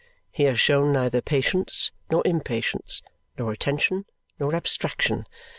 He has shown neither patience nor impatience, nor attention nor abstraction.